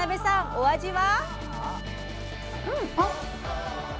お味は？